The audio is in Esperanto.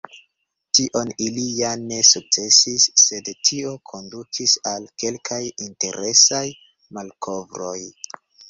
Tion ili ja ne sukcesis, sed tio kondukis al kelkaj interesaj malkovroj.